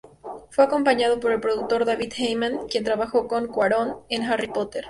Fue acompañado por el productor David Heyman, quien trabajó con Cuarón en "Harry Potter".